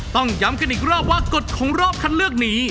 ต้องย้ำกันอีกรอบว่ากฎของรอบคัดเลือกนี้